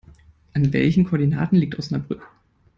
An welchen Koordinaten liegt Osnabrück?